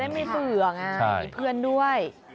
ได้มีสื่องมีเพื่อนด้วย